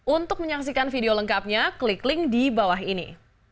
untuk menyaksikan video lengkapnya klik link di bawah ini